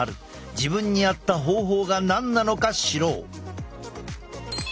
自分に合った方法が何なのか知ろう。